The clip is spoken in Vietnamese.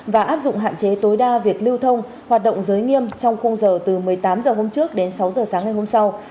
và áp dụng hạn chế tối đa việc lưu thông hoạt động giới nghiêm trong khung giờ từ một mươi tám h hôm trước đến sáu h sáng ngày hôm sau